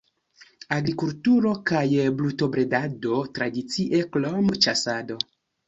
Agrikulturo kaj brutobredado tradicie, krom ĉasado.